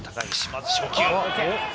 まず初球。